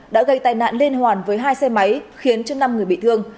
đã gây tai nạn liên hoàn với hai xe máy khiến cho năm người bị thương